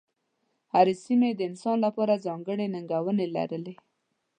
هرې سیمې د انسان لپاره ځانګړې ننګونې لرلې.